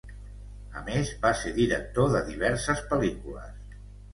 A més va ser director de diverses pel·lícules.